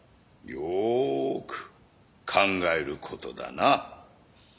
よく考える事だな。